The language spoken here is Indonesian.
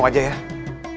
kau saja waspada